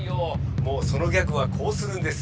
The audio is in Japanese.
もうそのギャグはこうするんです！